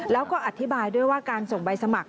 แล้วก็อธิบายด้วยว่าการส่งใบสมัคร